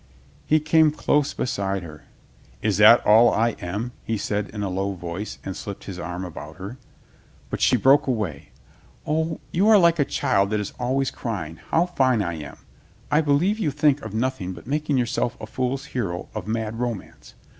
He came close beside her. "Is that all I am?" he said in a low voice and slipped his arm about her. But she broke away. "O, you are like a child that is always crying, 'How fine I am !' I believe you think of nothing but making yourself a fool's hero of mad romance.